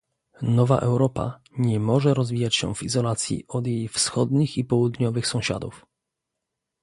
Nowa Europa nie może rozwijać się w izolacji od jej wschodnich i południowych sąsiadów